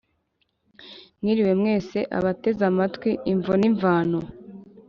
mwiriwe mwese abateze amatwi Imvo n'Imvano